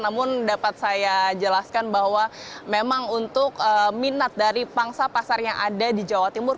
namun dapat saya jelaskan bahwa memang untuk minat dari pangsa pasar yang ada di jawa timur